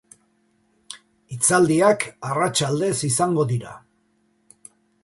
Hitzaldiak arratsaldez izango dira.